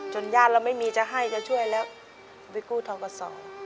ญาติเราไม่มีจะให้จะช่วยแล้วไปกู้ทกศ